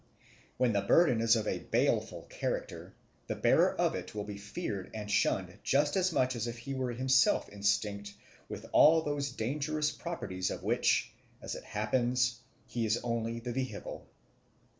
When the burden is of a baleful character, the bearer of it will be feared and shunned just as much as if he were himself instinct with those dangerous properties of which, as it happens, he is only the vehicle.